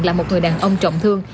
là một người đàn ông trọng thương